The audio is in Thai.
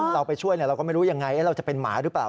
เราไปช่วยเราก็ไม่รู้ยังไงเราจะเป็นหมาหรือเปล่า